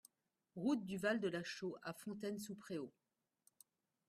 Route du Val de la Chaux à Fontaine-sous-Préaux